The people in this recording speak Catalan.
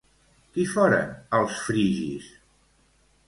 Qui foren els frigis?